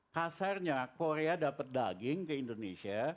kasarnya korea dapat daging ke indonesia